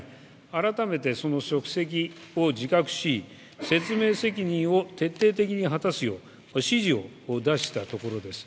改めて、その職責を自覚し説明責任を徹底的に果たすよう指示を出したところです。